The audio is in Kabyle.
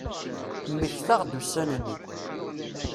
Mmektaɣ-d ussan-nni.